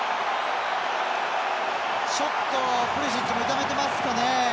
ちょっとプリシッチも痛めてますかね。